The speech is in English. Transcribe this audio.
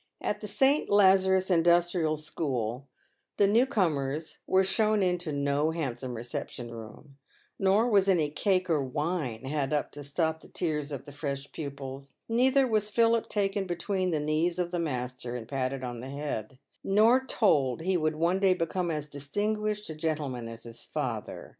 At the St. Lazarus Industrial School, the new comers were shown into no handsome reception room, nor was any cake or wine had up to stop the tears of the fresh pupils ; neither was Phil taken between the knees of the master and patted on the head, nor told he would one day become as distinguished a gentleman as his father.